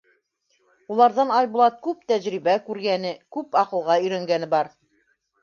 Уларҙан Айбулат күп тәжрибә күргәне, күп аҡылға өйрәнгәне бар.